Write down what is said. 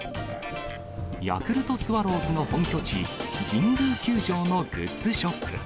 ヤクルトスワローズの本拠地、神宮球場のグッズショップ。